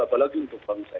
apalagi untuk bangsa